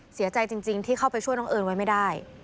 เสียใจจริงที่เข้าไปช่วยน้องเอิญไว้ไม่ได้